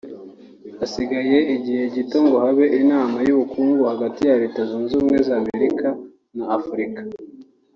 Hasigaye igihe gito ngo habe inama y’ubukungu hagati ya Leta Zunze Ubumwe za Amerika na Afurika